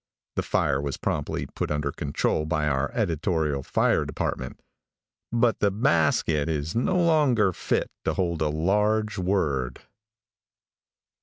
The fire was promptly put under control by our editorial fire department, but the basket is no longer fit to hold a large word.